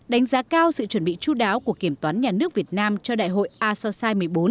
đánh giá cao sự chuẩn bị chú đáo của kiểm toán nhà nước việt nam cho đại hội asosai một mươi bốn